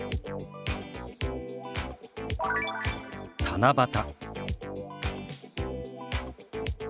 「七夕」。